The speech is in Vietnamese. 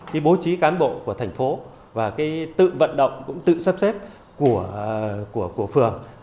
cái bố trí cán bộ của thành phố và cái tự vận động cũng tự sắp xếp của phường